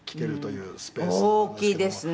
「大きいですね。